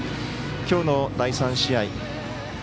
きょうの第３試合